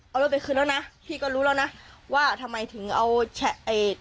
เอารถไปคืนแล้วนะพี่ก็รู้แล้วนะว่าทำไมถึงเอาไอ้